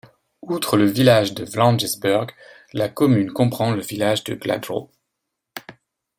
Outre le village de Wrangelsburg, la commune comprend le village de Gladrow.